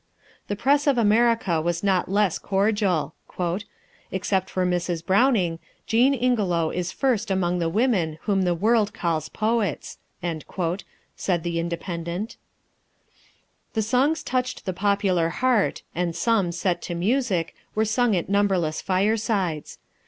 The press of America was not less cordial. "Except Mrs. Browning, Jean Ingelow is first among the women whom the world calls poets," said the Independent. The songs touched the popular heart, and some, set to music, were sung at numberless firesides.